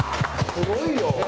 すごいよ。